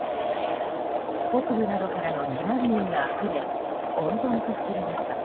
北部などからの避難民があふれ混沌とする中